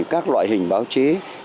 các loại hình báo chí